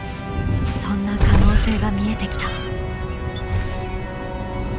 そんな可能性が見えてきた。